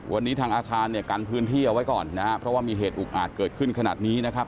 วันนี้ทางอาคารเนี่ยกันพื้นที่เอาไว้ก่อนนะครับเพราะว่ามีเหตุอุกอาจเกิดขึ้นขนาดนี้นะครับ